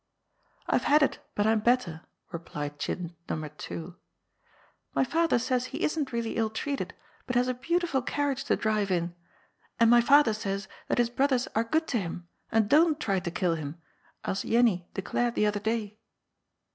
" I've had it, but I'm better," replied chit "So. 2. *' My father says he isn't really ill treated, but has a beauti ful carriage to drive in, and my father says that his brothers are good to him, and don't try to kill him, as Jennie de clared the other day."